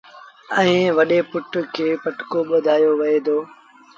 ائيٚݩ وڏي پُٽ کي پٽڪو ٻڌآيو وهي دو